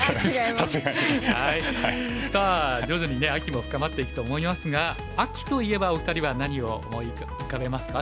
さあ徐々に秋も深まっていくと思いますが秋といえばお二人は何を思い浮かべますか？